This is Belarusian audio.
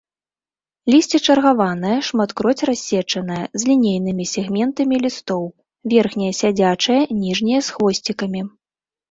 Лісце чаргаванае, шматкроць рассечанае, з лінейнымі сегментамі лістоў, верхняе сядзячае, ніжняе з хвосцікамі.